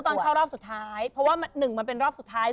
ตอนเข้ารอบสุดท้ายเพราะว่าหนึ่งมันเป็นรอบสุดท้าย